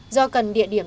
do cần địa điểm